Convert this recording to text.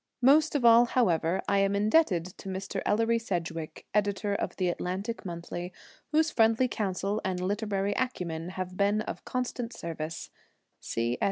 Most of all, however, I am indebted to Mr. Ellery Sedgwick, editor of the Atlantic Monthly, whose friendly counsel and literary acumen have been of constant service.